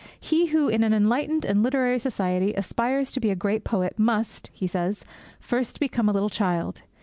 'He who, in an enlightened and literary society, aspires to be a great poet must,' he says, 'first become a little child.